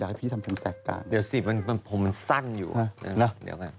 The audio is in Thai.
มันสั่งอยู่ในน่ะเดี๋ยวค่ะอยู่ดี